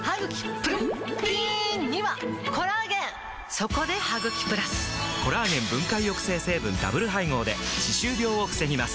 そこで「ハグキプラス」！コラーゲン分解抑制成分ダブル配合で歯周病を防ぎます